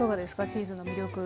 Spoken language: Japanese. チーズの魅力。